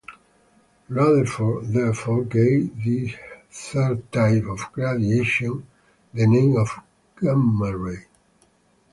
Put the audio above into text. Rutherford therefore gave this third type of radiation the name of gamma ray.